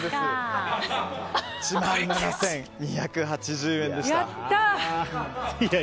１万７２８０円でした。